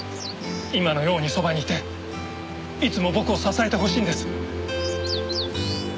今のようにそばにいていつも僕を支えてほしいんです。